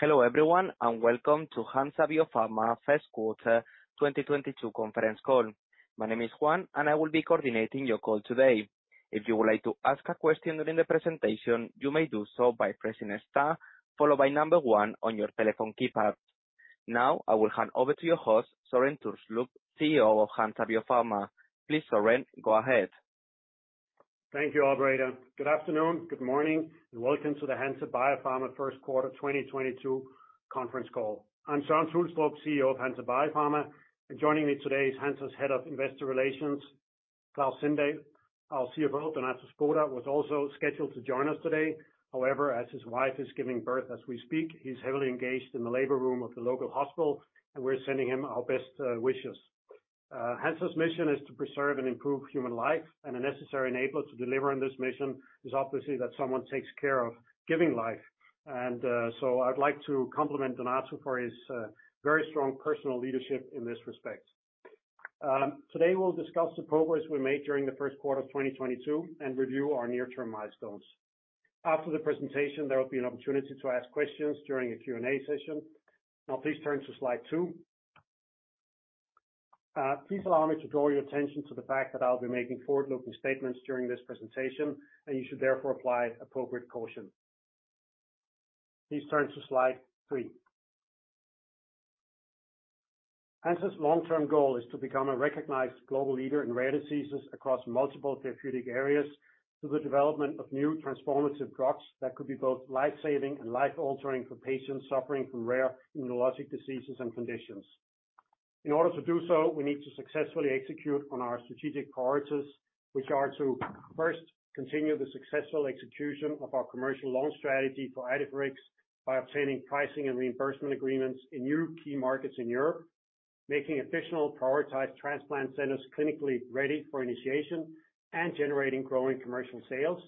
Hello everyone, and welcome to Hansa Biopharma first quarter 2022 conference call. My name is Juan and I will be coordinating your call today. If you would like to ask a question during the presentation, you may do so by pressing star followed by one on your telephone keypad. Now I will hand over to your host, Søren Tulstrup, CEO of Hansa Biopharma. Please, Søren, go ahead. Thank you, operator. Good afternoon, good morning, and welcome to the Hansa Biopharma first quarter 2022 conference call. I'm Søren Tulstrup, CEO of Hansa Biopharma. Joining me today is Hansa's head of investor relations, Claus Sindal. Our CFO, Donato Spota, was also scheduled to join us today. However, as his wife is giving birth as we speak, he's heavily engaged in the labor room of the local hospital, and we're sending him our best wishes. Hansa's mission is to preserve and improve human life. A necessary enabler to deliver on this mission is obviously that someone takes care of giving life. I would like to compliment Donato for his very strong personal leadership in this respect. Today we'll discuss the progress we made during the first quarter of 2022 and review our near-term milestones. After the presentation, there will be an opportunity to ask questions during a Q&A session. Now please turn to slide two. Please allow me to draw your attention to the fact that I'll be making forward-looking statements during this presentation, and you should therefore apply appropriate caution. Please turn to slide three. Hansa's long-term goal is to become a recognized global leader in rare diseases across multiple therapeutic areas through the development of new transformative drugs that could be both life-saving and life-altering for patients suffering from rare immunologic diseases and conditions. In order to do so, we need to successfully execute on our strategic priorities, which are to first continue the successful execution of our commercial launch strategy for Idefirix by obtaining pricing and reimbursement agreements in new key markets in Europe, making additional prioritized transplant centers clinically ready for initiation, and generating growing commercial sales.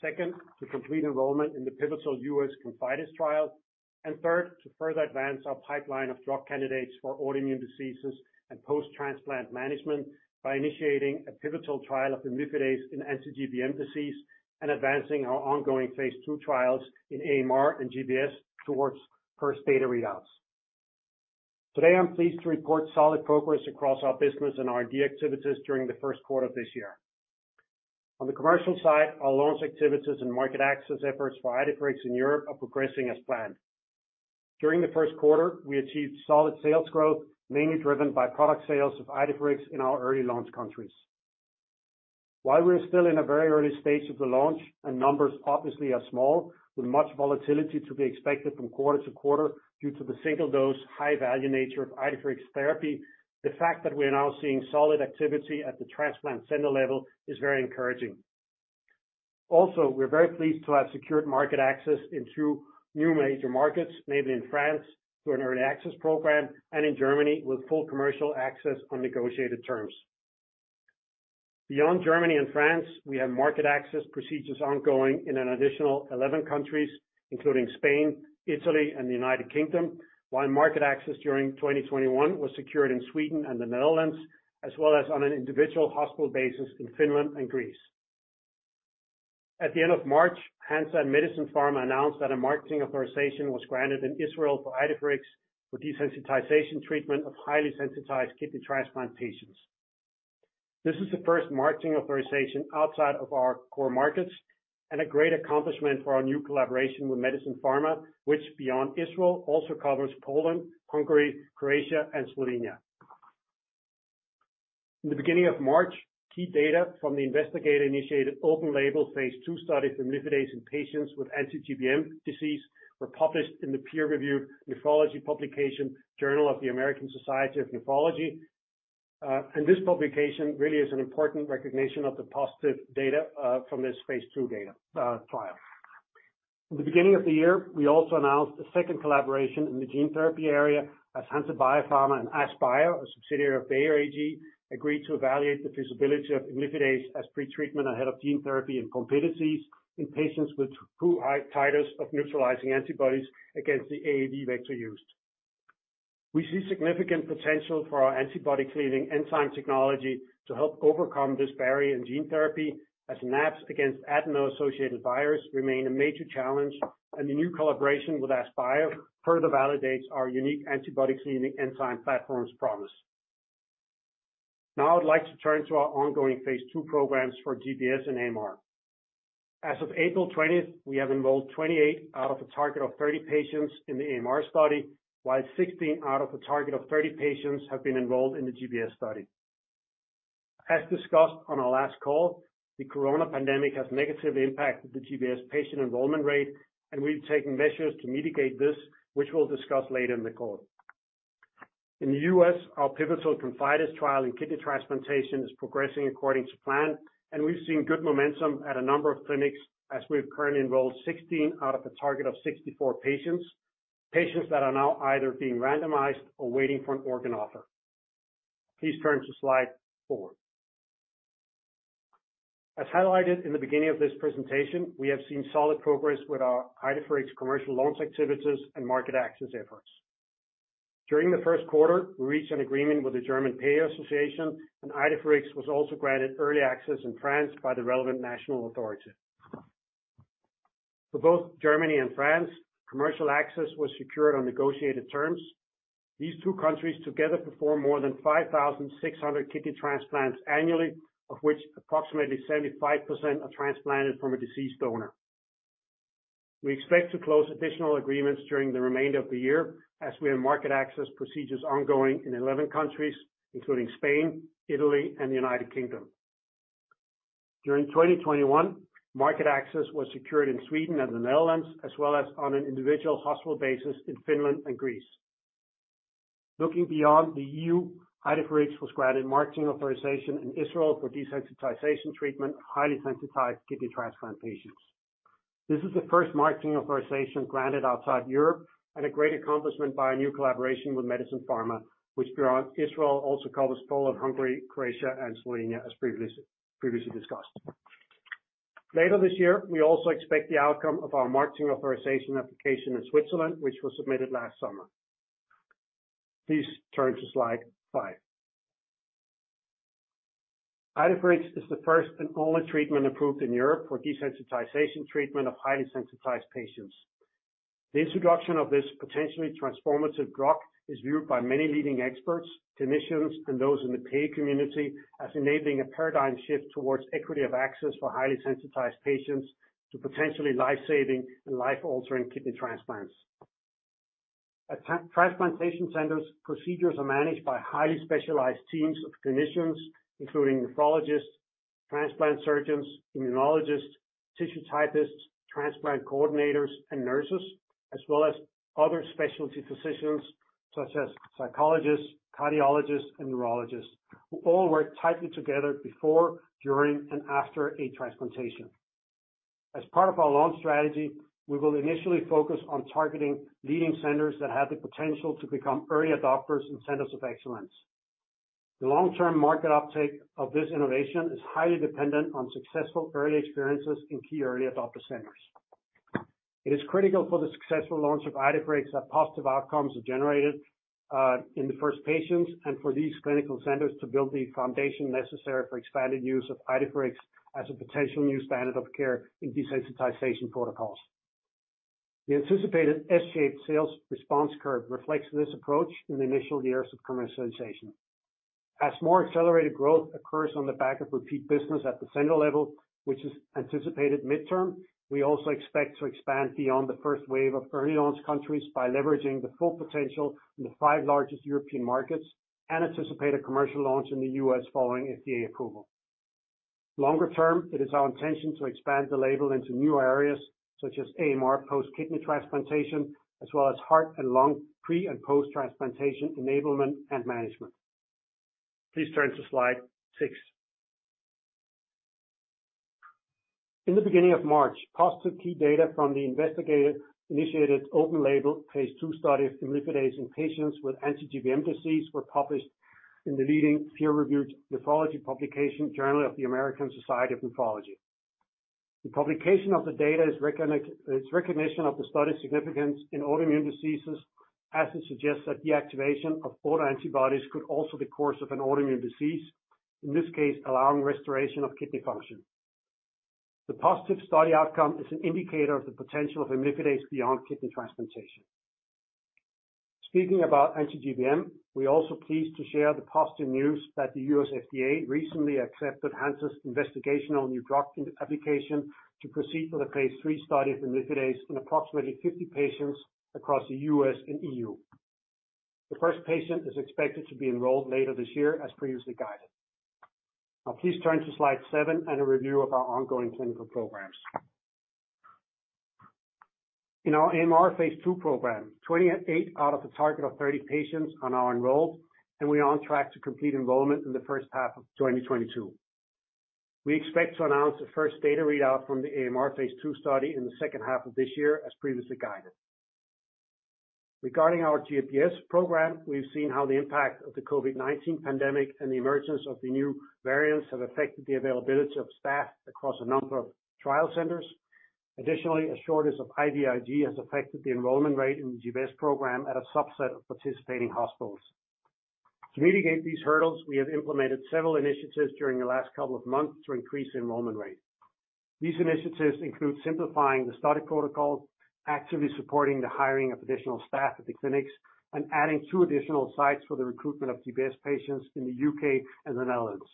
Second, to complete enrollment in the pivotal U.S. ConfIdeS trial. Third, to further advance our pipeline of drug candidates for autoimmune diseases and post-transplant management by initiating a pivotal trial of imlifidase in anti-GBM disease, and advancing our ongoing phase II trials in AMR and GBS towards first data readouts. Today, I'm pleased to report solid progress across our business and R&D activities during the first quarter of this year. On the commercial side, our launch activities and market access efforts for Idefirix in Europe are progressing as planned. During the first quarter, we achieved solid sales growth, mainly driven by product sales of Idefirix in our early launch countries. While we're still in a very early stage of the launch and numbers obviously are small with much volatility to be expected from quarter to quarter due to the single dose high value nature of Idefirix therapy, the fact that we're now seeing solid activity at the transplant center level is very encouraging. We're very pleased to have secured market access in two new major markets, namely in France through an early access program and in Germany with full commercial access on negotiated terms. Beyond Germany and France, we have market access procedures ongoing in an additional 11 countries, including Spain, Italy, and the United Kingdom. Market access during 2021 was secured in Sweden and the Netherlands, as well as on an individual hospital basis in Finland and Greece. At the end of March, Hansa and Medison Pharma announced that a marketing authorization was granted in Israel for Idefirix for desensitization treatment of highly sensitized kidney transplant patients. This is the first marketing authorization outside of our core markets and a great accomplishment for our new collaboration with Medison Pharma, which beyond Israel, also covers Poland, Hungary, Croatia, and Slovenia. In the beginning of March, key data from the investigator-initiated open-label phase II study for imlifidase in patients with anti-GBM disease were published in the peer-reviewed nephrology publication Journal of the American Society of Nephrology. This publication really is an important recognition of the positive data from this phase II data trial. In the beginning of the year, we also announced a second collaboration in the gene therapy area as Hansa Biopharma and Asklepios BioPharmaceutical, a subsidiary of Bayer AG, agreed to evaluate the feasibility of imlifidase as pretreatment ahead of gene therapy in Duchenne disease in patients with too high titers of neutralizing antibodies against the AAV vector used. We see significant potential for our antibody-cleaning enzyme technology to help overcome this barrier in gene therapy as NAbs against adeno-associated virus remain a major challenge, and the new collaboration with Asklepios BioPharmaceutical further validates our unique antibody-cleaning enzyme platform's promise. Now I'd like to turn to our ongoing phase II programs for GBS and AMR. As of April 20, we have enrolled 28 out of a target of 30 patients in the AMR study, while 16 out of a target of 30 patients have been enrolled in the GBS study. As discussed on our last call, the corona pandemic has negatively impacted the GBS patient enrollment rate, and we've taken measures to mitigate this, which we'll discuss later in the call. In the U.S., our pivotal ConfIdeS trial in kidney transplantation is progressing according to plan, and we've seen good momentum at a number of clinics as we've currently enrolled 16 out of a target of 64 patients that are now either being randomized or waiting for an organ offer. Please turn to slide 4. As highlighted in the beginning of this presentation, we have seen solid progress with our Idefirix commercial launch activities and market access efforts. During the first quarter, we reached an agreement with the GKV-Spitzenverband, and Idefirix was also granted early access in France by the relevant national authority. For both Germany and France, commercial access was secured on negotiated terms. These two countries together perform more than 5,600 kidney transplants annually, of which approximately 75% are transplanted from a deceased donor. We expect to close additional agreements during the remainder of the year as we have market access procedures ongoing in 11 countries, including Spain, Italy, and the United Kingdom. During 2021, market access was secured in Sweden and the Netherlands, as well as on an individual hospital basis in Finland and Greece. Looking beyond the EU, Idefirix was granted marketing authorization in Israel for desensitization treatment of highly sensitized kidney transplant patients. This is the first marketing authorization granted outside Europe and a great accomplishment by our new collaboration with Medison Pharma, which beyond Israel also covers Poland, Hungary, Croatia, and Slovenia, as previously discussed. Later this year, we also expect the outcome of our marketing authorization application in Switzerland, which was submitted last summer. Please turn to slide five. Idefirix is the first and only treatment approved in Europe for desensitization treatment of highly sensitized patients. The introduction of this potentially transformative drug is viewed by many leading experts, clinicians, and those in the payor community as enabling a paradigm shift towards equity of access for highly sensitized patients to potentially life-saving and life-altering kidney transplants. At transplant centers, procedures are managed by highly specialized teams of clinicians, including nephrologists, transplant surgeons, immunologists, tissue typists, transplant coordinators, and nurses, as well as other specialty physicians such as psychologists, cardiologists, and neurologists, who all work tightly together before, during, and after a transplantation. As part of our launch strategy, we will initially focus on targeting leading centers that have the potential to become early adopters and centers of excellence. The long-term market uptake of this innovation is highly dependent on successful early experiences in key early adopter centers. It is critical for the successful launch of Idefirix that positive outcomes are generated, in the first patients and for these clinical centers to build the foundation necessary for expanded use of Idefirix as a potential new standard of care in desensitization protocols. The anticipated S-shaped sales response curve reflects this approach in the initial years of commercialization. As more accelerated growth occurs on the back of repeat business at the center level, which is anticipated midterm, we also expect to expand beyond the first wave of early launch countries by leveraging the full potential in the five largest European markets and anticipate a commercial launch in the U.S. following FDA approval. Longer term, it is our intention to expand the label into new areas such as AMR post-kidney transplantation, as well as heart and lung pre- and post-transplantation enablement and management. Please turn to slide six. In the beginning of March, positive key data from the investigator-initiated open-label phase II study of imlifidase in patients with anti-GBM disease were published in the leading peer-reviewed nephrology publication, Journal of the American Society of Nephrology. The publication of the data is recognition of the study's significance in autoimmune diseases, as it suggests that deactivation of autoantibodies could alter the course of an autoimmune disease, in this case, allowing restoration of kidney function. The positive study outcome is an indicator of the potential of imlifidase beyond kidney transplantation. Speaking about anti-GBM, we are also pleased to share the positive news that the U.S. FDA recently accepted Hansa's investigational new drug application to proceed with a phase III study of imlifidase in approximately 50 patients across the U.S. and EU. The first patient is expected to be enrolled later this year, as previously guided. Now please turn to slide 7 and a review of our ongoing clinical programs. In our AMR phase II program, 28 out of a target of 30 patients are now enrolled, and we are on track to complete enrollment in the first half of 2022. We expect to announce the first data readout from the AMR phase II study in the second half of this year, as previously guided. Regarding our GBS program, we've seen how the impact of the COVID-19 pandemic and the emergence of the new variants have affected the availability of staff across a number of trial centers. Additionally, a shortage of IVIG has affected the enrollment rate in the GBS program at a subset of participating hospitals. To mitigate these hurdles, we have implemented several initiatives during the last couple of months to increase enrollment rate. These initiatives include simplifying the study protocol, actively supporting the hiring of additional staff at the clinics, and adding two additional sites for the recruitment of GBS patients in the U.K. and the Netherlands.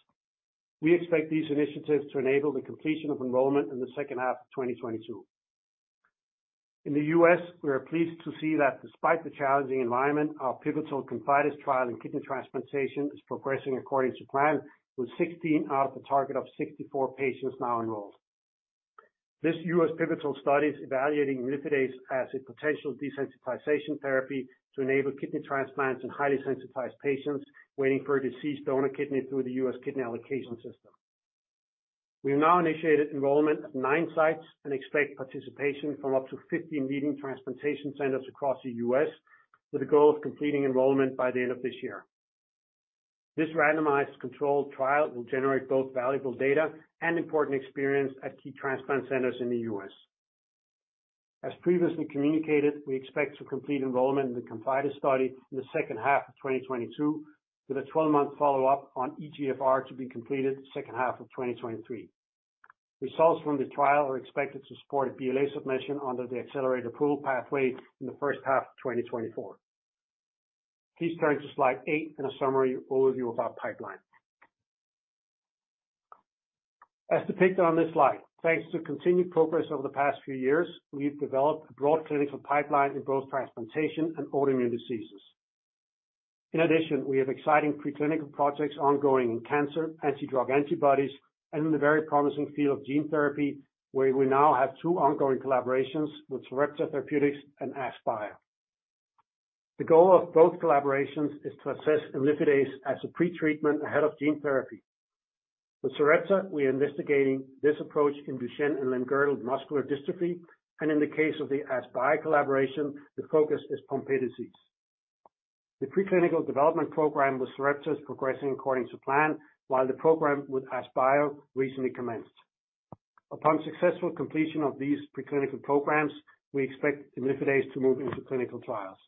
We expect these initiatives to enable the completion of enrollment in the second half of 2022. In the U.S., we are pleased to see that despite the challenging environment, our pivotal ConfIdeS trial in kidney transplantation is progressing according to plan, with 16 out of a target of 64 patients now enrolled. This U.S. pivotal study is evaluating imlifidase as a potential desensitization therapy to enable kidney transplants in highly sensitized patients waiting for a deceased donor kidney through the U.S. kidney allocation system. We have now initiated enrollment at nine sites and expect participation from up to 15 leading transplantation centers across the U.S., with a goal of completing enrollment by the end of this year. This randomized controlled trial will generate both valuable data and important experience at key transplant centers in the U.S. As previously communicated, we expect to complete enrollment in the ConfIdeS study in the second half of 2022, with a 12-month follow-up on eGFR to be completed second half of 2023. Results from the trial are expected to support a BLA submission under the accelerated approval pathway in the first half of 2024. Please turn to slide eight for a summary overview of our pipeline. As depicted on this slide, thanks to continued progress over the past few years, we have developed a broad clinical pipeline in both transplantation and autoimmune diseases. In addition, we have exciting preclinical projects ongoing in cancer, anti-drug antibodies, and in the very promising field of gene therapy, where we now have two ongoing collaborations with Sarepta Therapeutics and Asklepios. The goal of both collaborations is to assess imlifidase as a pretreatment ahead of gene therapy. With Sarepta, we are investigating this approach in Duchenne and Limb-Girdle muscular dystrophy, and in the case of the Asklepios collaboration, the focus is Pompe disease. The preclinical development program with Sarepta is progressing according to plan while the program with Asklepios recently commenced. Upon successful completion of these preclinical programs, we expect imlifidase to move into clinical trials.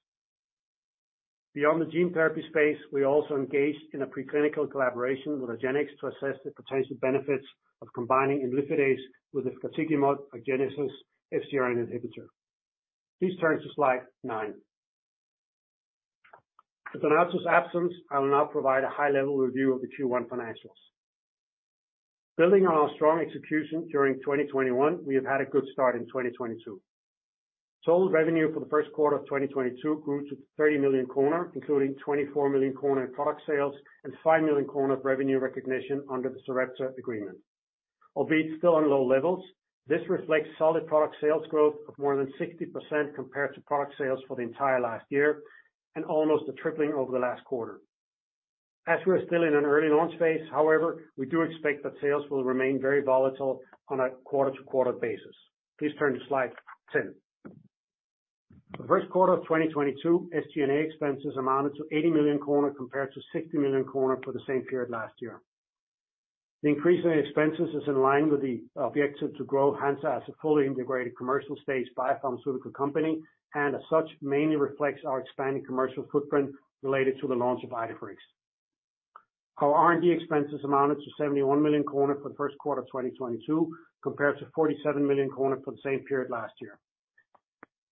Beyond the gene therapy space, we also engaged in a preclinical collaboration with Argenx to assess the potential benefits of combining imlifidase with efgartigimod, Argenx' FcRn inhibitor. Please turn to slide nine. With Donato Spota's absence, I will now provide a high-level review of the Q1 financials. Building on our strong execution during 2021, we have had a good start in 2022. Total revenue for the first quarter of 2022 grew to 30 million, including 24 million in product sales and 5 million of revenue recognition under the Sarepta agreement. Albeit still on low levels, this reflects solid product sales growth of more than 60% compared to product sales for the entire last year and almost a tripling over the last quarter. As we are still in an early launch phase, however, we do expect that sales will remain very volatile on a quarter-to-quarter basis. Please turn to slide 10. The first quarter of 2022, SG&A expenses amounted to 80 million kronor compared to 60 million kronor for the same period last year. The increase in expenses is in line with the objective to grow Hansa as a fully integrated commercial-stage biopharmaceutical company, and as such, mainly reflects our expanding commercial footprint related to the launch of Idefirix. Our R&D expenses amounted to 71 million krona for the first quarter of 2022, compared to 47 million krona for the same period last year.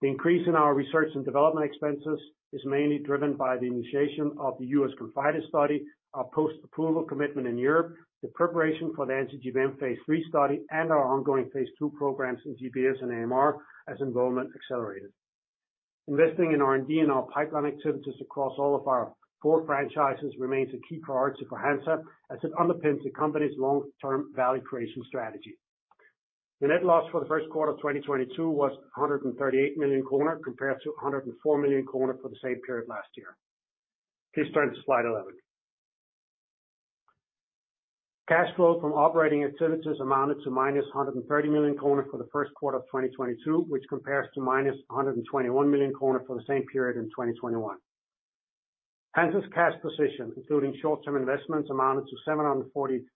The increase in our research and development expenses is mainly driven by the initiation of the U.S. ConfIdeS study, our post-approval commitment in Europe, the preparation for the anti-GBM phase III study, and our ongoing phase II programs in GBS and AMR as enrollment accelerated. Investing in R&D and our pipeline activities across all of our four franchises remains a key priority for Hansa as it underpins the company's long-term value creation strategy. The net loss for the first quarter of 2022 was 138 million kronor compared to 104 million kronor for the same period last year. Please turn to slide 11. Cash flow from operating activities amounted to -130 million kronor for the first quarter of 2022, which compares to -121 million kronor for the same period in 2021. Hansa's cash position, including short-term investments, amounted to 754 million,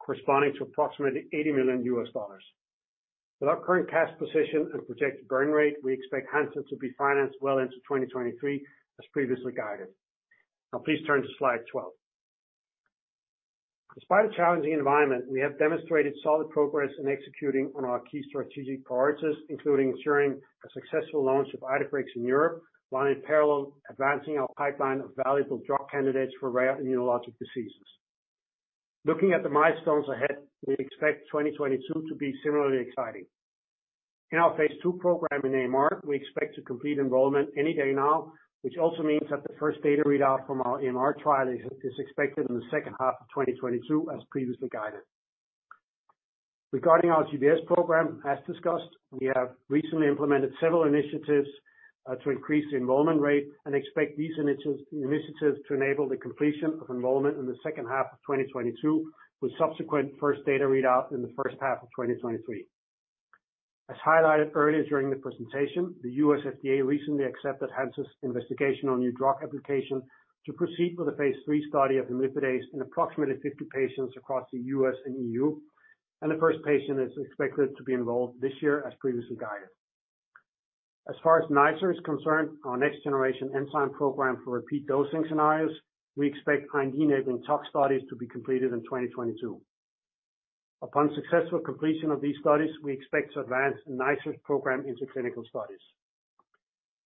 corresponding to approximately $80 million. With our current cash position and projected burn rate, we expect Hansa to be financed well into 2023, as previously guided. Now please turn to slide 12. Despite a challenging environment, we have demonstrated solid progress in executing on our key strategic priorities, including ensuring a successful launch of Idefirix in Europe, while in parallel advancing our pipeline of valuable drug candidates for rare immunologic diseases. Looking at the milestones ahead, we expect 2022 to be similarly exciting. In our phase II program in AMR, we expect to complete enrollment any day now, which also means that the first data readout from our AMR trial is expected in the second half of 2022, as previously guided. Regarding our GBS program, as discussed, we have recently implemented several initiatives to increase the enrollment rate and expect these initiatives to enable the completion of enrollment in the second half of 2022, with subsequent first data readout in the first half of 2023. As highlighted earlier during the presentation, the U.S. FDA recently accepted Hansa's Investigational New Drug application to proceed with the phase III study of imlifidase in approximately 50 patients across the U.S. and EU, and the first patient is expected to be enrolled this year as previously guided. As far as NiceR is concerned, our next-generation enzyme program for repeat dosing scenarios, we expect IND-enabling tox studies to be completed in 2022. Upon successful completion of these studies, we expect to advance NiceR's program into clinical studies.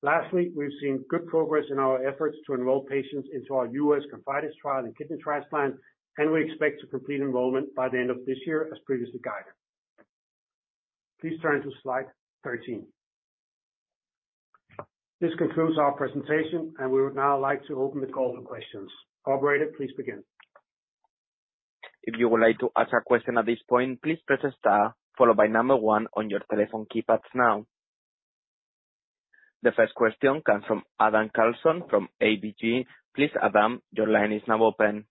Lastly, we've seen good progress in our efforts to enroll patients into our U.S. ConfIdeS trial in kidney transplant, and we expect to complete enrollment by the end of this year, as previously guided. Please turn to slide 13. This concludes our presentation, and we would now like to open the call to questions. Operator, please begin. The first question comes from Adam Carlson from ABG. Please Adam, your line is now open.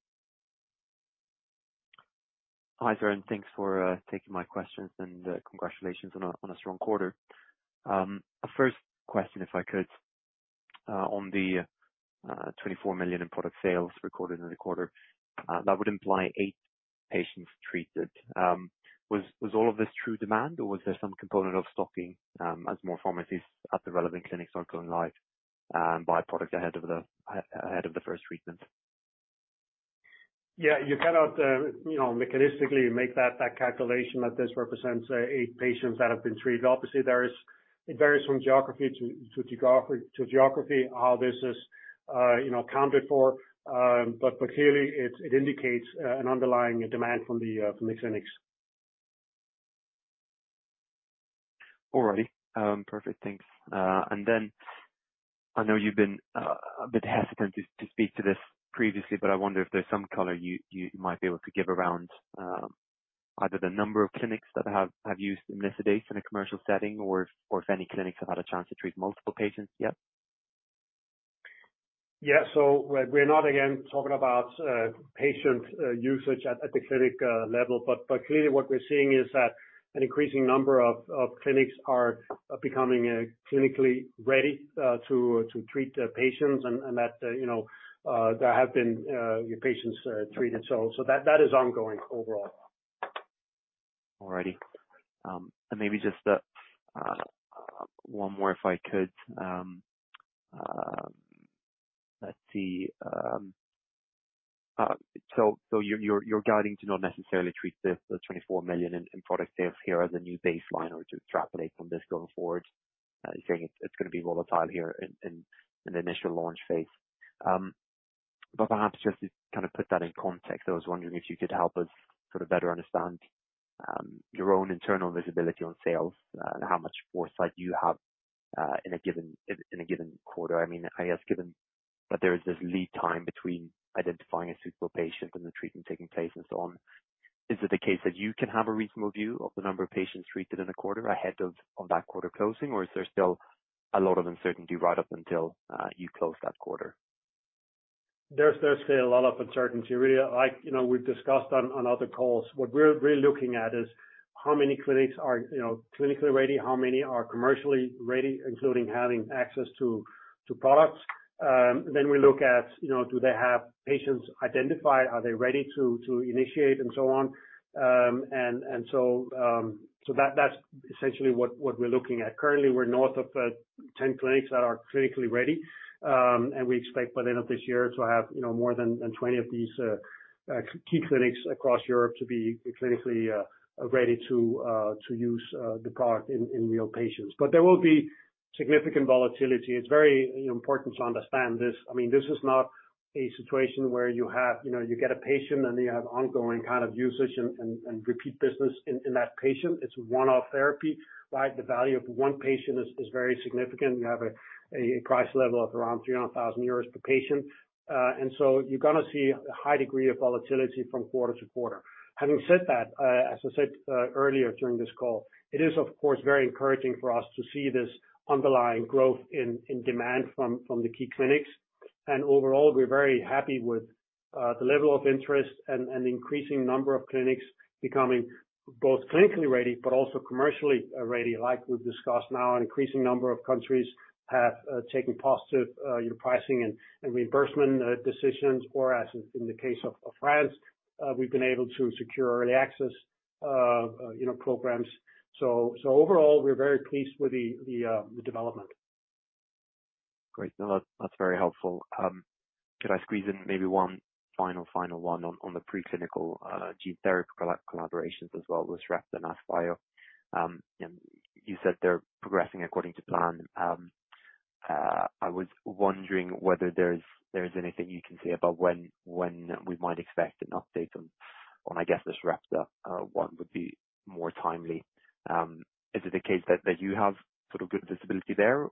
Hi there, and thanks for taking my questions, and congratulations on a strong quarter. First question, if I could, on the 24 million in product sales recorded in the quarter, that would imply 8 patients treated. Was all of this true demand or was there some component of stocking, as more pharmacies at the relevant clinics are going live, by product ahead of the first treatment? Yeah, you cannot, you know, mechanistically make that calculation that this represents 8 patients that have been treated. It varies from geography to geography how this is, you know, accounted for. Clearly it indicates an underlying demand from the clinics. All right. Perfect. Thanks. I know you've been a bit hesitant to speak to this previously, but I wonder if there's some color you might be able to give around either the number of clinics that have used imlifidase in a commercial setting or if any clinics have had a chance to treat multiple patients yet. Yeah, we're not again talking about patient usage at the clinic level, but clearly what we're seeing is that an increasing number of clinics are becoming clinically ready to treat the patients and that, you know, there have been your patients treated. That is ongoing overall. All righty. Maybe just one more, if I could. Let's see. You're guiding to not necessarily treat the 24 million in product sales here as a new baseline or to extrapolate from this going forward. You're saying it's gonna be volatile here in the initial launch phase. Perhaps just to kind of put that in context, I was wondering if you could help us sort of better understand your own internal visibility on sales and how much foresight you have in a given quarter. I mean, I guess given that there is this lead time between identifying a suitable patient and the treatment taking place and so on, is it the case that you can have a reasonable view of the number of patients treated in a quarter ahead of that quarter closing? Or is there still a lot of uncertainty right up until you close that quarter? There's still a lot of uncertainty really. Like, you know, we've discussed on other calls, what we're really looking at is how many clinics are, you know, clinically ready, how many are commercially ready, including having access to products. We look at, you know, do they have patients identified? Are they ready to initiate and so on. That's essentially what we're looking at. Currently, we're north of 10 clinics that are clinically ready. We expect by the end of this year to have, you know, more than 20 of these key clinics across Europe to be clinically ready to use the product in real patients. There will be significant volatility. It's very, you know, important to understand this. I mean, this is not a situation where you have, you know, you get a patient and you have ongoing kind of usage and repeat business in that patient. It's one-off therapy, right? The value of one patient is very significant. You have a price level of around 300,000 euros per patient. You're gonna see a high degree of volatility from quarter to quarter. Having said that, as I said earlier during this call, it is of course very encouraging for us to see this underlying growth in demand from the key clinics. Overall, we're very happy with the level of interest and an increasing number of clinics becoming both clinically ready but also commercially ready. Like we've discussed now, an increasing number of countries have taken positive your pricing and reimbursement decisions. As in the case of France, we've been able to secure early access, you know, programs. Overall, we're very pleased with the development. Great. No, that's very helpful. Could I squeeze in maybe one final one on the preclinical gene therapy collaborations as well with Sarepta and Asklepios? You said they're progressing according to plan. I was wondering whether there's anything you can say about when we might expect an update on, I guess this Sarepta one would be more timely. Is it the case that you have sort of good visibility there,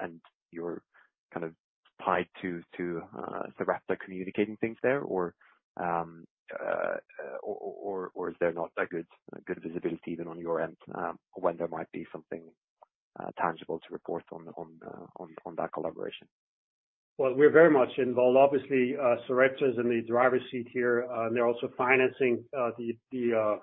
and you're kind of tied to Sarepta communicating things there? Or is there not that good visibility even on your end, when there might be something tangible to report on that collaboration? Well, we're very much involved. Obviously, Sarepta is in the driver's seat here. They're also financing the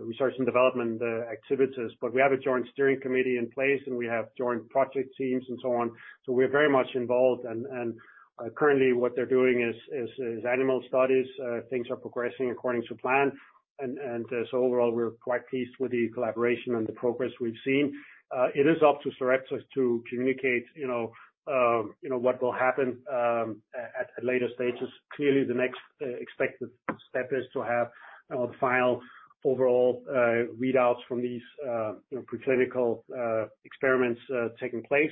research and development activities. We have a joint steering committee in place, and we have joint project teams and so on. We're very much involved. Currently what they're doing is animal studies. Things are progressing according to plan. Overall, we're quite pleased with the collaboration and the progress we've seen. It is up to Sarepta to communicate, you know, you know, what will happen at a later stages. Clearly, the next expected step is to have the final overall readouts from these you know preclinical experiments taking place.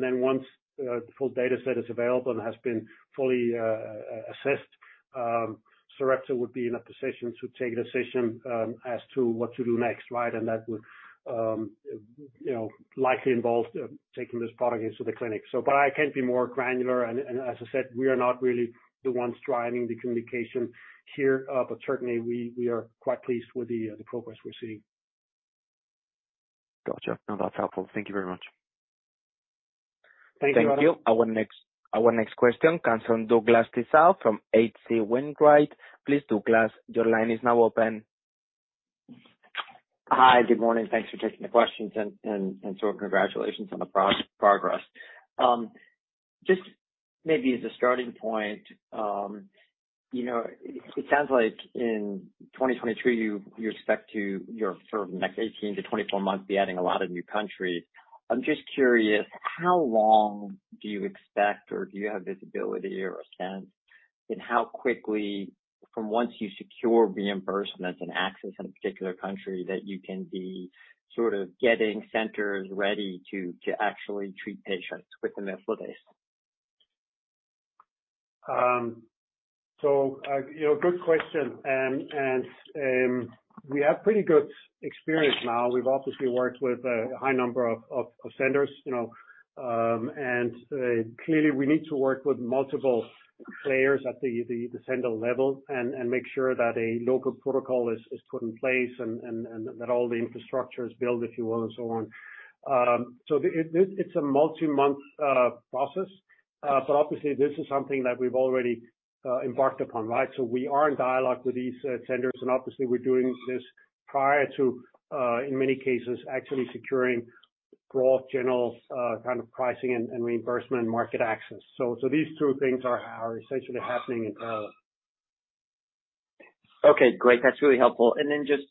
Once the full data set is available and has been fully assessed, Sarepta would be in a position to take a decision as to what to do next, right? That would, you know, likely involve taking this product into the clinic. I can't be more granular. As I said, we are not really the ones driving the communication here. Certainly we are quite pleased with the progress we're seeing. Gotcha. No, that's helpful. Thank you very much. Thank you. Thank you. Our next question comes from Douglas Tsao from H.C. Wainwright. Please, Douglas, your line is now open. Hi. Good morning. Thanks for taking the questions, so congratulations on the progress. Just maybe as a starting point, you know, it sounds like in 2023 you expect, your sort of next 18-24 months, to be adding a lot of new countries. I'm just curious, how long do you expect or do you have visibility or a sense in how quickly from once you secure reimbursements and access in a particular country that you can be sort of getting centers ready to actually treat patients with imlifidase? You know, good question. We have pretty good experience now. We've obviously worked with a high number of centers, you know. Clearly we need to work with multiple players at the center level and make sure that a local protocol is put in place and that all the infrastructure is built, if you will, and so on. It's a multi-month process. Obviously this is something that we've already embarked upon, right? We are in dialogue with these centers, and obviously we're doing this prior to, in many cases, actually securing broad general kind of pricing and reimbursement market access. These two things are essentially happening in parallel. Okay, great. That's really helpful. Then just,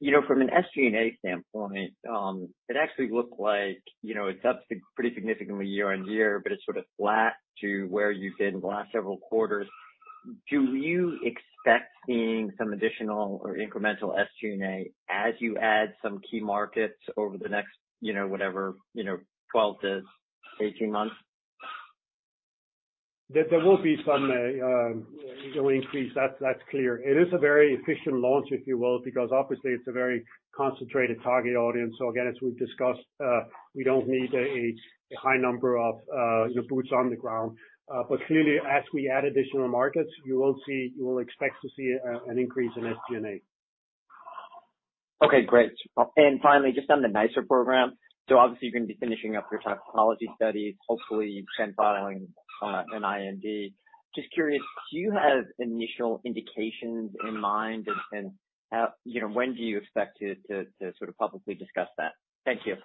you know, from an SG&A standpoint, it actually looked like, you know, it's up pretty significantly year-over-year, but it's sort of flat to where you've been the last several quarters. Do you expect seeing some additional or incremental SG&A as you add some key markets over the next, you know, whatever, you know, 12-18 months? There will be some, you know, increase. That's clear. It is a very efficient launch, if you will, because obviously it's a very concentrated target audience. Again, as we've discussed, we don't need a high number of, you know, boots on the ground. Clearly, as we add additional markets, you will see, you will expect to see an increase in SG&A. Okay, great. Finally, just on the NiceR program. Obviously you're gonna be finishing up your toxicology studies, hopefully then filing an IND. Just curious, do you have initial indications in mind and how, you know, when do you expect to sort of publicly discuss that? Thank you.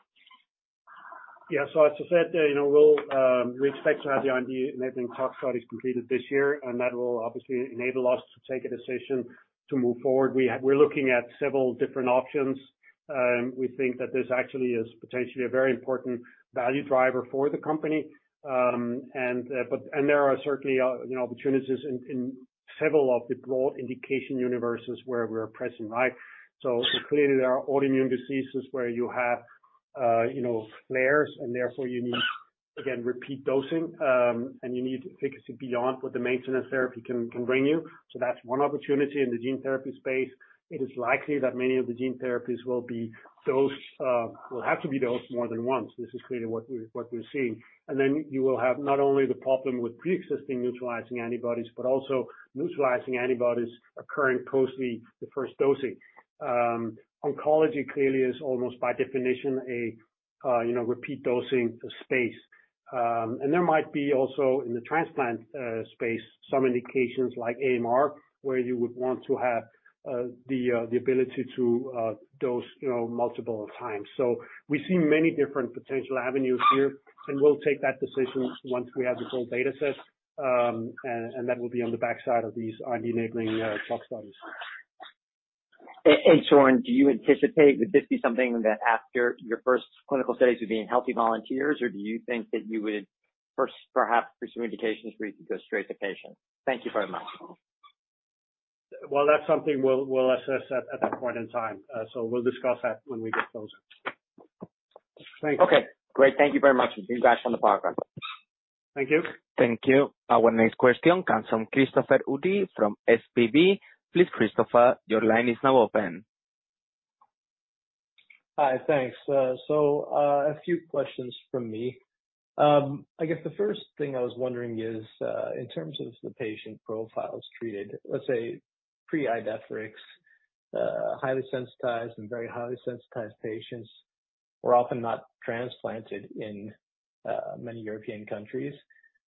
Yeah. As I said, you know, we'll, we expect to have the IND-enabling tox studies completed this year, and that will obviously enable us to take a decision to move forward. We're looking at several different options. We think that this actually is potentially a very important value driver for the company. There are certainly opportunities in several of the broad indication universes where we're present, right? Clearly there are autoimmune diseases where you have, you know, flares and therefore you need, again, repeat dosing, and you need efficacy beyond what the maintenance therapy can bring you. That's one opportunity in the gene therapy space. It is likely that many of the gene therapies will be dosed, will have to be dosed more than once. This is clearly what we're seeing. Then you will have not only the problem with pre-existing neutralizing antibodies, but also neutralizing antibodies occurring post the first dosing. Oncology clearly is almost by definition a you know, repeat dosing space. There might be also in the transplant space, some indications like AMR, where you would want to have the ability to dose you know, multiple times. We see many different potential avenues here, and we'll take that decision once we have the full data set. That will be on the backside of these IND-enabling tox studies. Søren, do you anticipate, would this be something that after your first clinical studies would be in healthy volunteers? Or do you think that you would first perhaps for some indications where you could go straight to patients? Thank you very much. Well, that's something we'll assess at that point in time. We'll discuss that when we get closer. Thanks. Okay, great. Thank you very much. Now back to the program. Thank you. Thank you. Our next question comes from Christopher Uhde from SEB. Please, Christopher, your line is now open. Hi. Thanks. A few questions from me. I guess the first thing I was wondering is, in terms of the patient profiles treated, let's say pre-Idefirix, highly sensitized and very highly sensitized patients were often not transplanted in many European countries.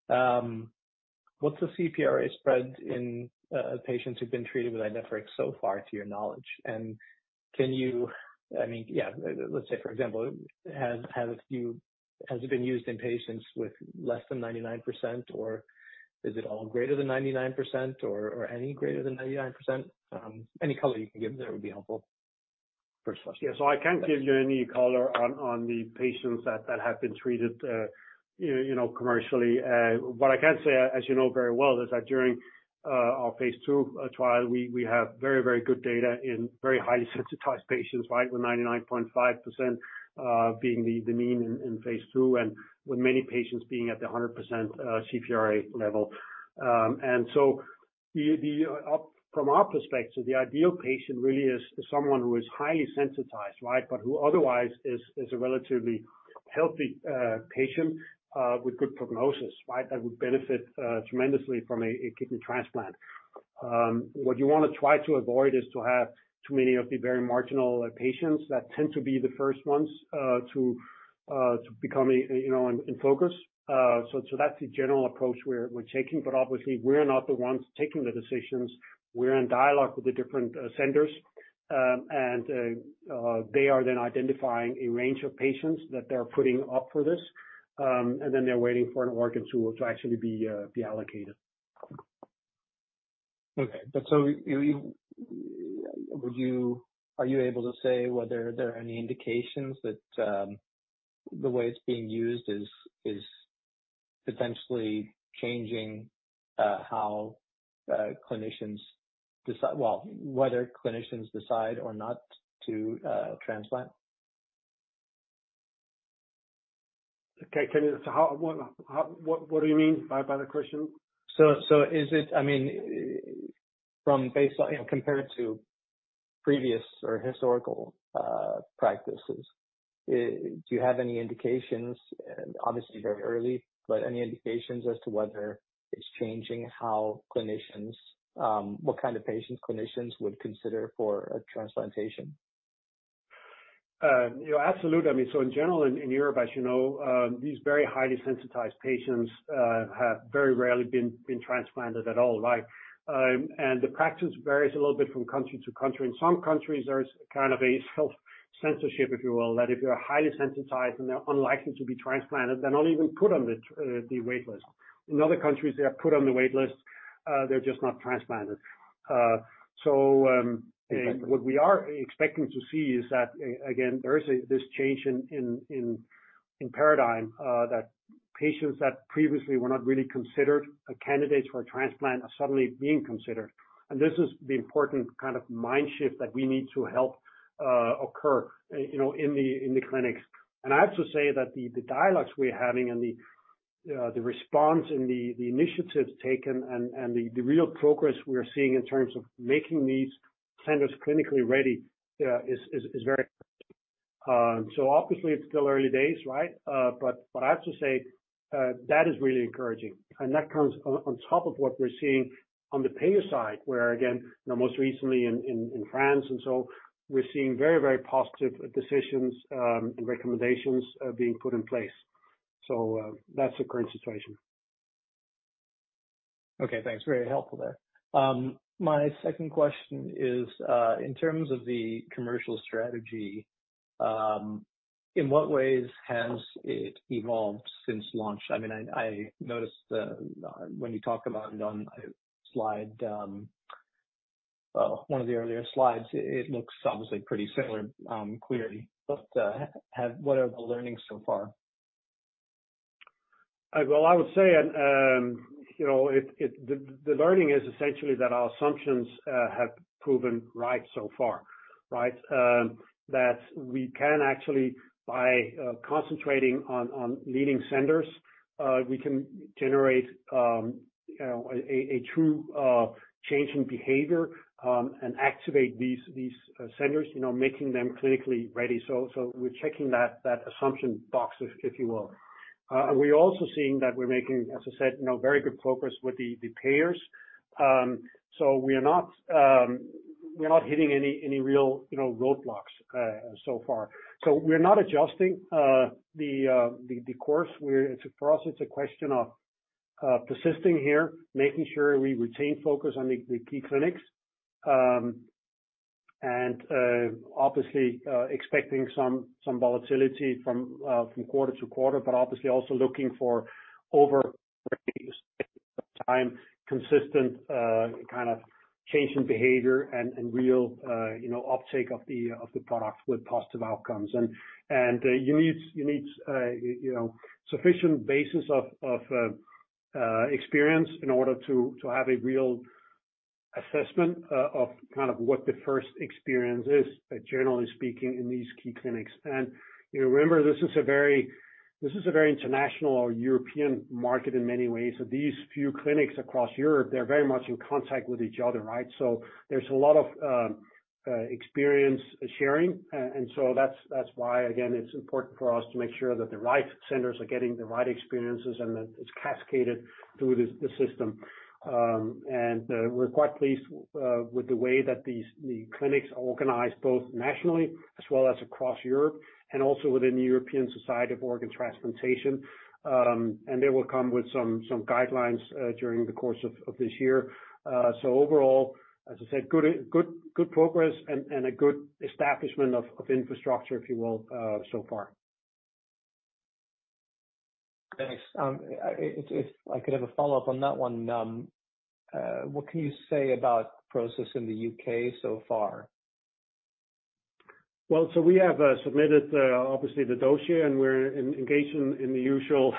What's the CPRA spread in patients who've been treated with Idefirix so far, to your knowledge? And can you, I mean, yeah, let's say for example, has it been used in patients with less than 99% or is it all greater than 99% or any greater than 99%? Any color you can give there would be helpful. First question. Yeah. I can't give you any color on the patients that have been treated, you know, commercially. What I can say, as you know very well, is that during our phase II trial, we have very good data in very highly sensitized patients, right? With 99.5% being the mean in phase II and with many patients being at the 100% CPRA level. From our perspective, the ideal patient really is someone who is highly sensitized, right? But who otherwise is a relatively healthy patient with good prognosis, right? That would benefit tremendously from a kidney transplant. What you want to try to avoid is to have too many of the very marginal patients that tend to be the first ones to become, you know, in focus. That's the general approach we're taking. Obviously, we're not the ones taking the decisions. We're in dialogue with the different centers, and they are then identifying a range of patients that they're putting up for this, and then they're waiting for an organ to actually be allocated. Are you able to say whether there are any indications that the way it's being used is potentially changing how clinicians decide whether or not to transplant? What do you mean by the question? Is it, I mean, from, based on, you know, compared to previous or historical practices, do you have any indications, obviously very early, but any indications as to whether it's changing how clinicians what kind of patients clinicians would consider for a transplantation? You know, absolutely. I mean, in general, in Europe, as you know, these very highly sensitized patients have very rarely been transplanted at all, right? The practice varies a little bit from country to country. In some countries, there's kind of a self-censorship, if you will, that if you are highly sensitized and they're unlikely to be transplanted, they're not even put on the wait list. In other countries, they are put on the wait list, they're just not transplanted. Okay. What we are expecting to see is that again, there is this change in paradigm that patients that previously were not really considered a candidate for a transplant are suddenly being considered. This is the important kind of mind shift that we need to help occur, you know, in the clinics. I have to say that the dialogues we're having and the response and the initiatives taken and the real progress we are seeing in terms of making these centers clinically ready is very Mm-hmm. Obviously it's still early days, right? But I have to say that is really encouraging. That comes on top of what we're seeing on the payer side, where again, you know, most recently in France and so we're seeing very positive decisions and recommendations being put in place. That's the current situation. Okay, thanks. Very helpful there. My second question is, in terms of the commercial strategy, in what ways has it evolved since launch? I mean, I noticed, when you talk about it on a slide, well, one of the earlier slides, it looks obviously pretty similar, clearly. What are the learnings so far? Well, I would say, you know, the learning is essentially that our assumptions have proven right so far, right? That we can actually by concentrating on leading centers we can generate a true change in behavior and activate these centers, you know, making them clinically ready. We're checking that assumption box, if you will. We're also seeing that we're making, as I said, you know, very good progress with the payers. We are not hitting any real, you know, roadblocks so far. We're not adjusting the course. For us, it's a question of persisting here, making sure we retain focus on the key clinics. Obviously expecting some volatility from quarter to quarter, but obviously also looking for over time consistent kind of change in behavior and you know real you know uptake of the product with positive outcomes. You need you know sufficient basis of experience in order to have a real assessment of kind of what the first experience is generally speaking in these key clinics. You know remember this is a very international or European market in many ways. These few clinics across Europe, they're very much in contact with each other, right? There's a lot of experience sharing. That's why, again, it's important for us to make sure that the right centers are getting the right experiences and that it's cascaded through this system. We're quite pleased with the way that these clinics are organized both nationally as well as across Europe and also within the European Society for Organ Transplantation. They will come with some guidelines during the course of this year. Overall, as I said, good progress and a good establishment of infrastructure, if you will, so far. Thanks. If I could have a follow-up on that one. What can you say about progress in the U.K. so far? Well, we have submitted obviously the dossier, and we're engaged in the usual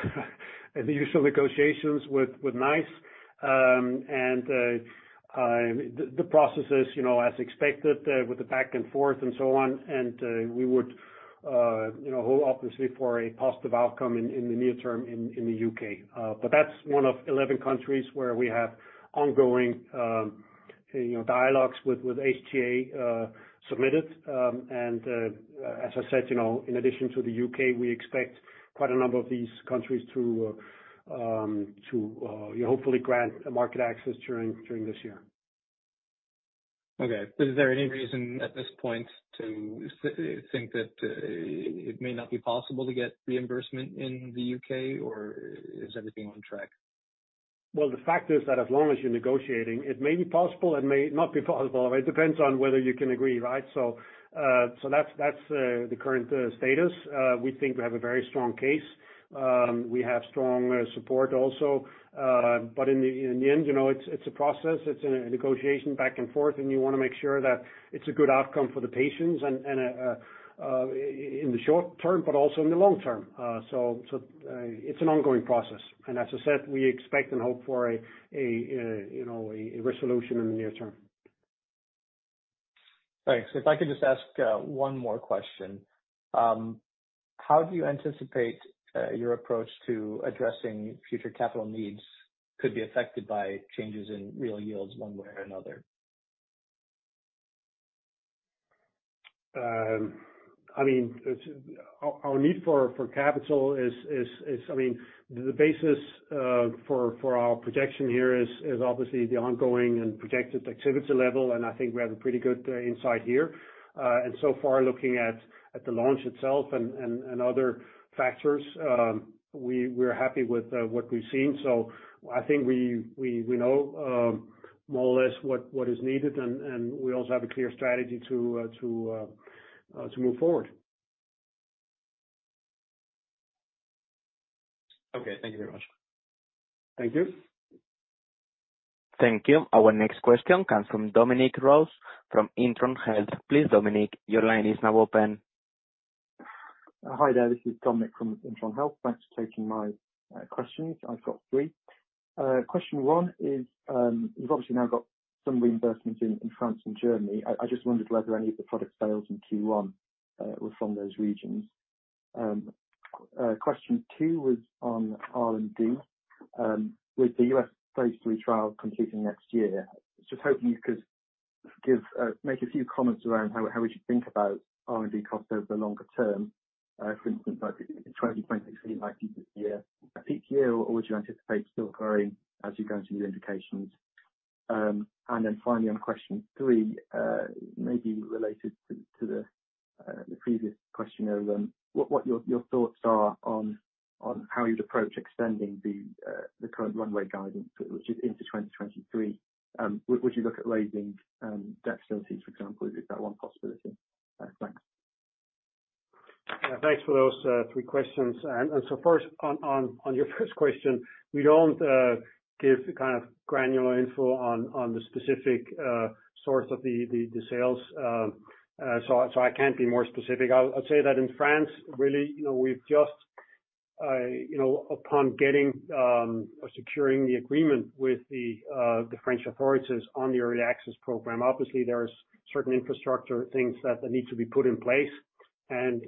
negotiations with NICE. The process is, you know, as expected, with the back and forth and so on. We would, you know, hope obviously for a positive outcome in the near term in the U.K. That's one of 11 countries where we have ongoing you know dialogues with HTA submitted. As I said, you know, in addition to the U.K., we expect quite a number of these countries to you know hopefully grant market access during this year. Okay. Is there any reason at this point to think that it may not be possible to get reimbursement in the U.K., or is everything on track? Well, the fact is that as long as you're negotiating, it may be possible, it may not be possible. It depends on whether you can agree, right? That's the current status. We think we have a very strong case. We have strong support also. In the end, you know, it's a process. It's a negotiation back and forth, and you wanna make sure that it's a good outcome for the patients in the short term, but also in the long term. It's an ongoing process. As I said, we expect and hope for a, you know, a resolution in the near term. Thanks. If I could just ask, one more question. How do you anticipate your approach to addressing future capital needs could be affected by changes in real yields one way or another? I mean, our need for capital is, I mean, the basis for our projection here is obviously the ongoing and projected activity level, and I think we have a pretty good insight here. So far, looking at the launch itself and other factors, we're happy with what we've seen. I think we know more or less what is needed, and we also have a clear strategy to move forward. Okay. Thank you very much. Thank you. Thank you. Our next question comes from Dominic Rose from Intron Health. Please, Dominic, your line is now open. Hi there. This is Dominic from Intron Health. Thanks for taking my questions. I've got three. Question one is, you've obviously now got some reimbursements in France and Germany. I just wondered whether any of the product sales in Q1 were from those regions. Question two was on R&D. With the U.S. phase III trial completing next year, I was just hoping you could make a few comments around how would you think about R&D costs over the longer term, for instance, like in 2023, like this year, or would you anticipate still growing as you go through the indications? Finally on question three, maybe related to the previous question around what your thoughts are on how you'd approach extending the current runway guidance, which is into 2023. Would you look at raising debt facilities, for example? Is that one possibility? Thanks. Thanks for those three questions. First on your first question, we don't give kind of granular info on the specific source of the sales, so I can't be more specific. I'll say that in France, really, you know, we've just, you know, upon getting or securing the agreement with the French authorities on the early access program. Obviously, there's certain infrastructure things that need to be put in place and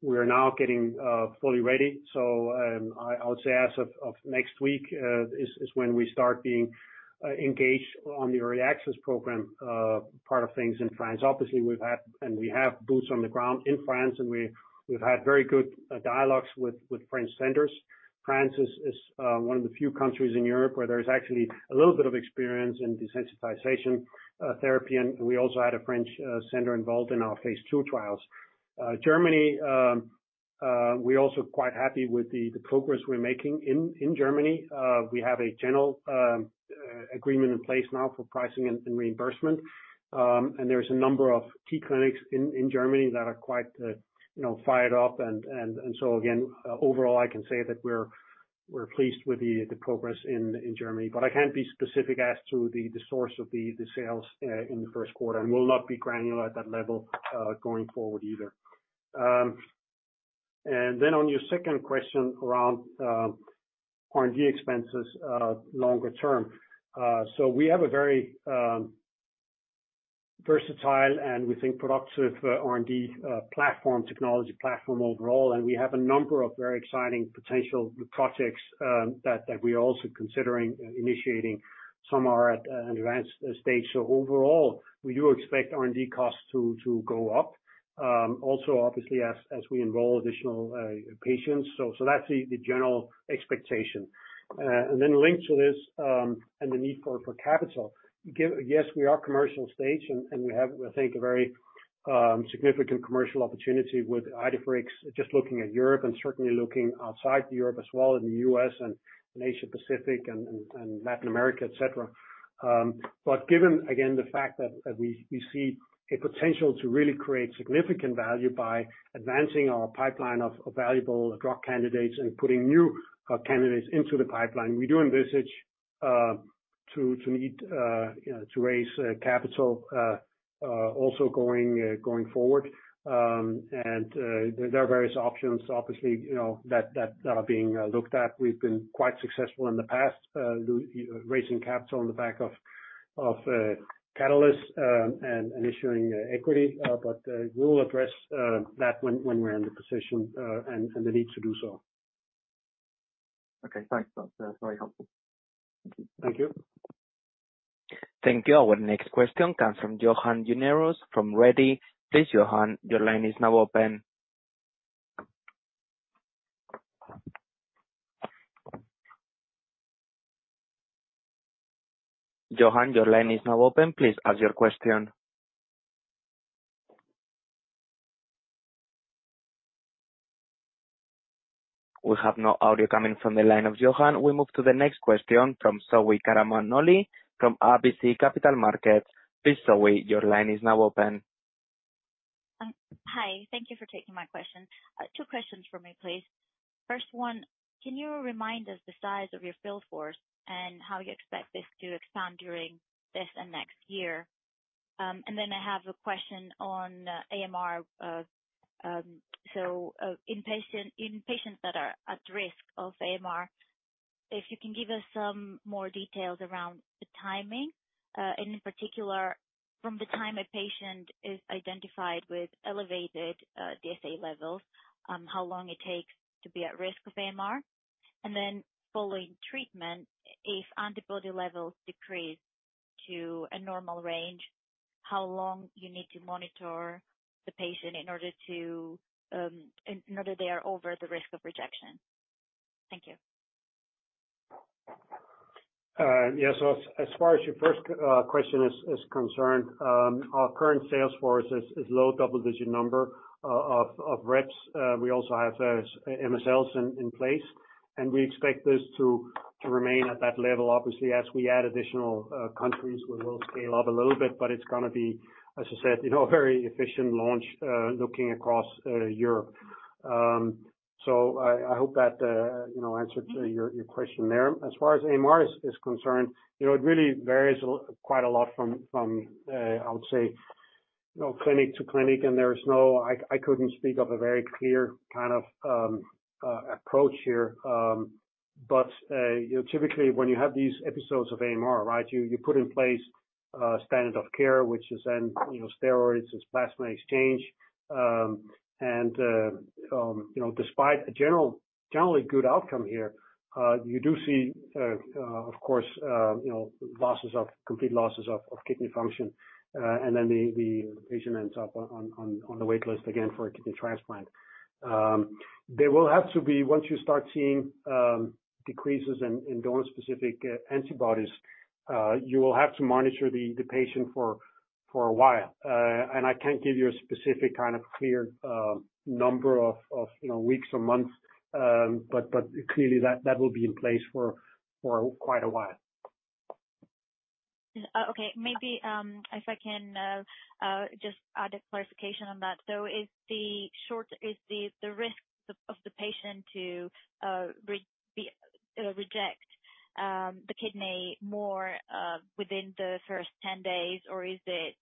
we are now getting fully ready. I would say as of next week is when we start being engaged on the early access program part of things in France. Obviously, we've had and we have boots on the ground in France, and we've had very good dialogues with French centers. France is one of the few countries in Europe where there's actually a little bit of experience in desensitization therapy, and we also had a French center involved in our phase II trials. Germany, we're also quite happy with the progress we're making in Germany. We have a general agreement in place now for pricing and reimbursement. There's a number of key clinics in Germany that are quite, you know, fired up. Again, overall, I can say that we're pleased with the progress in Germany. I can't be specific as to the source of the sales in the first quarter, and we'll not be granular at that level going forward either. On your second question around R&D expenses longer term. We have a very versatile and we think productive R&D platform, technology platform overall, and we have a number of very exciting potential projects that we're also considering initiating. Some are at an advanced stage. Overall, we do expect R&D costs to go up also obviously as we enroll additional patients. That's the general expectation. Linked to this and the need for capital, yes, we are commercial-stage and we have, I think, a very significant commercial opportunity with Idefirix, just looking at Europe and certainly looking outside Europe as well, in the U.S. and in Asia Pacific and Latin America, etc. But given again the fact that we see a potential to really create significant value by advancing our pipeline of valuable drug candidates and putting new candidates into the pipeline, we do envisage to need, you know, to raise capital also going forward. There are various options obviously, you know, that are being looked at. We've been quite successful in the past, raising capital on the back of catalysts, and issuing equity. We'll address that when we're in the position and the need to do so. Okay, thanks. That's very helpful. Thank you. Thank you. Our next question comes from Johan Unnerus from Redeye. Please, Johan, your line is now open. Johan, your line is now open. Please ask your question. We have no audio coming from the line of Johan. We move to the next question from Zoe Karamanoli from RBC Capital Markets. Please, Zoe, your line is now open. Hi. Thank you for taking my question. Two questions from me, please. First one, can you remind us the size of your field force and how you expect this to expand during this and next year? I have a question on AMR, so in patients that are at risk of AMR, if you can give us some more details around the timing, in particular from the time a patient is identified with elevated DSA levels, how long it takes to be at risk of AMR. Following treatment, if antibody levels decrease to a normal range, how long you need to monitor the patient in order they are over the risk of rejection. Thank you. Yeah. As far as your first question is concerned, our current sales force is low double-digit number of reps. We also have MSLs in place, and we expect this to remain at that level. Obviously, as we add additional countries, we will scale up a little bit, but it's gonna be, as I said, you know, a very efficient launch looking across Europe. I hope that, you know, answered your question there. As far as AMR is concerned, you know, it really varies quite a lot from, I would say, you know, clinic to clinic. I couldn't speak of a very clear kind of approach here. You know, typically when you have these episodes of AMR, right, you put in place a standard of care, which is then, you know, steroids, it's plasma exchange. You know, despite a generally good outcome here, you do see, of course, you know, complete losses of kidney function, and then the patient ends up on the wait list again for a kidney transplant. There will have to be, once you start seeing decreases in donor-specific antibodies, you will have to monitor the patient for a while. I can't give you a specific kind of clear number of you know weeks or months, but clearly that will be in place for quite a while. Okay. Maybe if I can just add a clarification on that. Is the risk of the patient to reject the kidney more within the first 10 days, or is it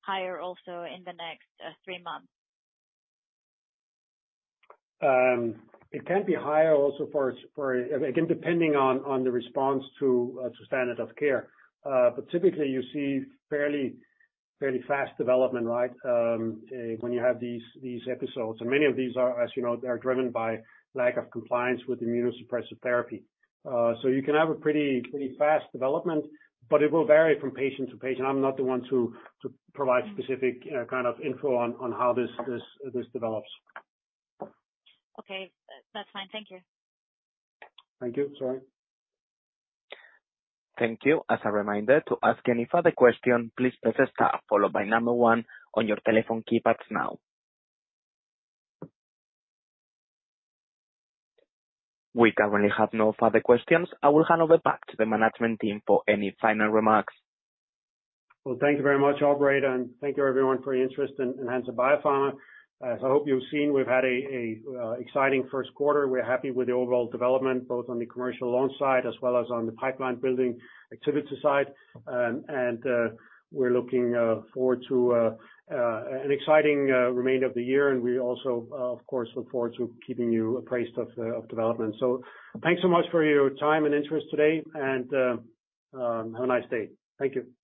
higher also in the next three months? It can be higher also for again, depending on the response to standard of care. Typically you see fairly fast development, right, when you have these episodes. Many of these are, as you know, they are driven by lack of compliance with immunosuppressive therapy. You can have a pretty fast development, but it will vary from patient to patient. I'm not the one to provide specific kind of info on how this develops. Okay. That's fine. Thank you. Thank you. Sorry. Thank you. As a reminder, to ask any further question, please press star followed by number one on your telephone keypads now. We currently have no further questions. I will hand over back to the management team for any final remarks. Well, thank you very much, operator, and thank you everyone for your interest in Hansa Biopharma. As I hope you've seen, we've had an exciting first quarter. We're happy with the overall development, both on the commercial launch side as well as on the pipeline building activities side. We're looking forward to an exciting remainder of the year. We also, of course, look forward to keeping you appraised of development. Thanks so much for your time and interest today and have a nice day. Thank you.